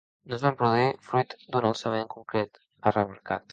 No es van produir fruit d’un alçament concret, ha remarcat.